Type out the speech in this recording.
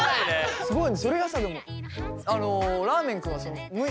すごいね。